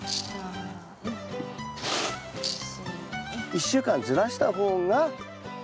１週間ずらしたほうが。